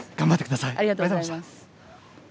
ありがとうございます。